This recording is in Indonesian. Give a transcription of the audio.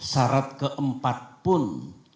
syarat keempat pun